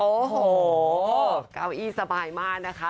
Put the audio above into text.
โอ้โหเก้าอี้สบายมากนะคะ